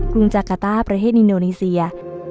รุงจากาต้าประเทศอินโดนีเซีย